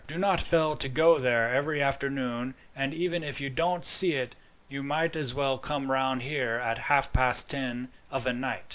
Do not fail to go there every afternoon; and even if you don't see it, you might as well come round here at half past ten of a night.